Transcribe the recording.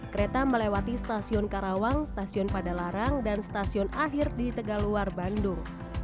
kereta melewati stasiun karawang stasiun padalarang dan stasiun akhir di tegaluar bandung